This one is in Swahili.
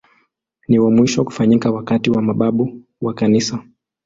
Ni wa mwisho kufanyika wakati wa mababu wa Kanisa.